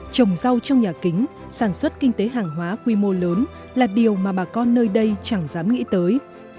trồng rau trong nhà kính sản xuất kinh tế hàng hóa quy mô lớn là điều mà bà con nơi đây chẳng dám nghĩ tới